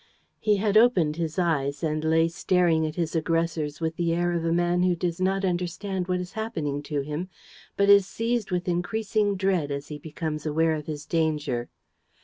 He had opened his eyes and lay staring at his aggressors with the air of a man who does not understand what is happening to him, but is seized with increasing dread as he becomes aware of his danger.